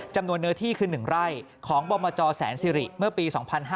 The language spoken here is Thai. จำนวนเนื้อที่คือ๑ไร่ของบอมจแสนสิริเมื่อปี๒๕๕๙